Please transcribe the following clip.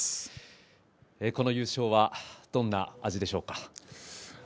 この優勝はどんな味ですか？